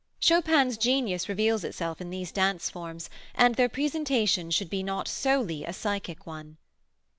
Chopin's genius reveals itself in these dance forms, and their presentation should be not solely a psychic one.